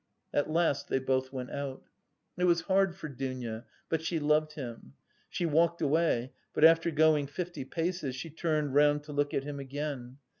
At last they both went out. It was hard for Dounia, but she loved him. She walked away, but after going fifty paces she turned round to look at him again.